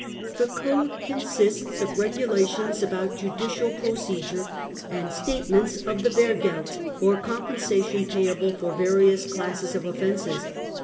The code consists of regula tions about judicial procedure and statements of the ' wehrgeld " or compensation payable for various classes of offences.